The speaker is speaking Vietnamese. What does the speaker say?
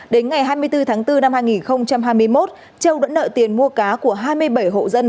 đến ngày hai mươi bốn tháng bốn năm hai nghìn hai mươi một châu đã nợ tiền mua cá của hai mươi bảy hộ dân